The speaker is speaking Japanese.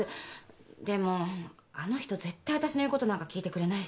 でもあの人絶対わたしの言うことなんか聞いてくれないし。